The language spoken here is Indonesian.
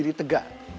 saya kira tidak